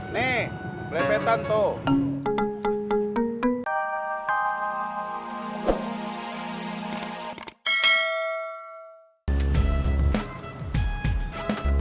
nih blepetan tuh